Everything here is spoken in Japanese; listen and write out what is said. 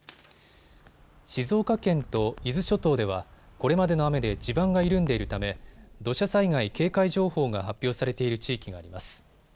静岡県と伊豆諸島ではこれまでの雨で地盤が緩んでいるため土砂災害警戒情報が発表されている地域があります。